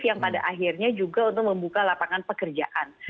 yang pada akhirnya juga untuk membuka lapangan pekerjaan